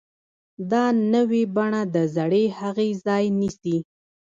دا نوې بڼه د زړې هغې ځای نیسي.